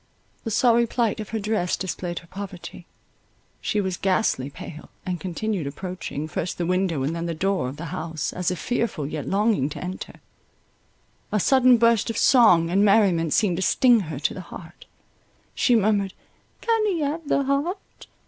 The sorry plight of her dress displayed her poverty, she was ghastly pale, and continued approaching, first the window and then the door of the house, as if fearful, yet longing to enter. A sudden burst of song and merriment seemed to sting her to the heart; she murmured, "Can he have the heart?"